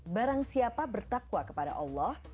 barang siapa bertakwa kepada allah